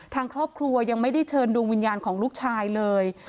ทางครอบครัวยังไม่ได้เชิญดวงวิญญาณของลูกชายเลย